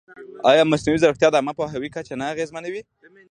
ایا مصنوعي ځیرکتیا د عامه پوهاوي کچه نه اغېزمنوي؟